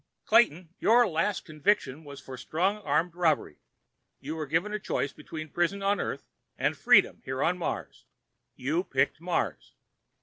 "Clayton, your last conviction was for strong arm robbery. You were given a choice between prison on Earth and freedom here on Mars. You picked Mars."